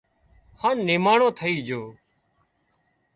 هانَ نماڻو ٿئي جھو